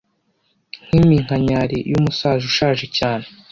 nkiminkanyari yumusaza ushaje cyane